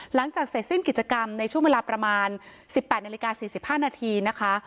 หลังจากเสร็จสิ้นกิจกรรมในช่วงเวลาประมาณ๑๘นาฬิกา๔๕นาทีนะคะ